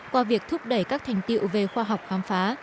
qua việc thúc đẩy các thành tiệu về khoa học khám phá